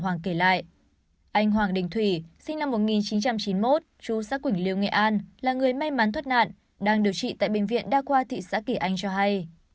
anh hoàng đình thủy sinh năm một nghìn chín trăm chín mươi một trú xã quỳnh liêu nghệ an là người may mắn thoát nạn đang điều trị tại bệnh viện đa qua thị xã kỳ anh cho hay